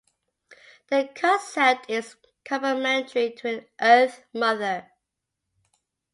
The concept is complementary to an "earth mother".